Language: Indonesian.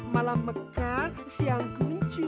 malam mekang siang guncu